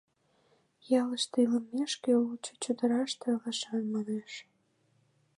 Ялыште илымешке, лучо чодыраште илышан!», — манеш.